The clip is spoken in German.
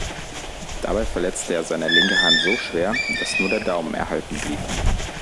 Dabei verletzte er seine linke Hand so schwer, dass nur der Daumen erhalten blieb.